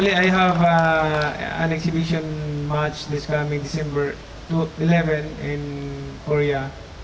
sebenarnya saya memiliki pembentangan di bali pada desember dua ribu sebelas di korea